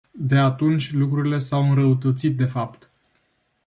De atunci lucrurile s-au înrăutățit de fapt.